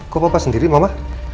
kok papa sendiri mama